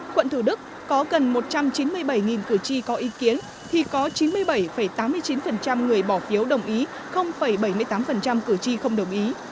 quận thủ đức có gần một trăm chín mươi bảy cử tri có ý kiến thì có chín mươi bảy tám mươi chín người bỏ phiếu đồng ý bảy mươi tám cử tri không đồng ý